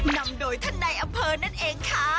นำโดยท่านในอำเภอนั่นเองค่ะ